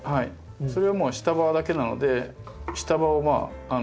それはもう下葉だけなので下葉を。